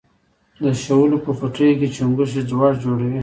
د شولو په پټیو کې چنگښې ځوږ جوړوي.